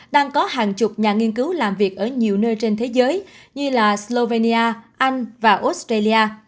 đang có hàng chục nhà nghiên cứu làm việc ở nhiều nơi trên thế giới như là slovenia anh và australia